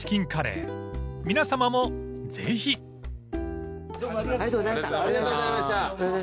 ［皆さまもぜひ］ありがとうございました。